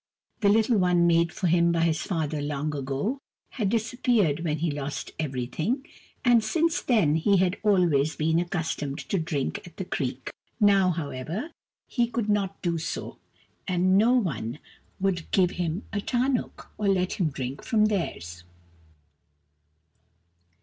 The little one made for him by his father long ago had disappeared when he lost everything, and since then he had always been accustomed to drink at the creek. Now, however, he could not do so, and no one would give 220 KUR BO ROO, THE BEAR him a tarnuk, or let him drink from theirs.